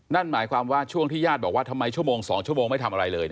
นั่นหมายความว่าช่วงที่ญาติบอกว่าทำไมชั่วโมง๒ชั่วโมงไม่ทำอะไรเลย